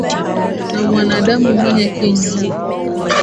Na mwanadamu mwenye kinywa